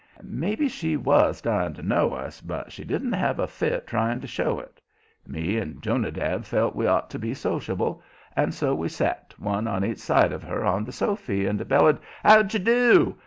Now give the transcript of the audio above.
Maybe she was "dying to know us," but she didn't have a fit trying to show it. Me and Jonadab felt we'd ought to be sociable, and so we set, one on each side of her on the sofy, and bellered: "How d'ye do?"